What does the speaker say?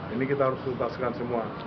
ini kita harus tuntaskan semua